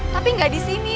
tapi ga disini